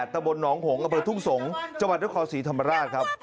ตะบนหนองหงอทุ่มสงส์จังหวัดด้วยคศรีธรรมราชครับ